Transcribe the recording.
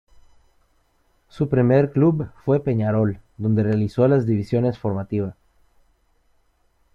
Su primer club fue Peñarol, donde realizó las divisiones formativa.